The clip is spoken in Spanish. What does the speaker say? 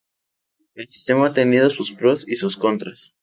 El sistema ha tenido sus pros y sus contras.